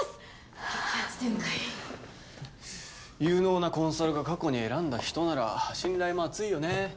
激熱展開有能なコンサルが過去に選んだ人なら信頼も厚いよね